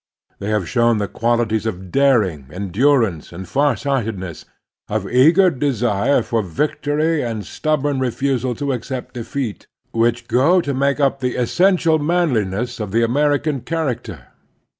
They have shown the qualities of daring, endurance, and far sighted ness, of eager desire for victory and stubborn refusal to accept defeat, which go to make up the / ^eQtial xn.anliness_ of the American character.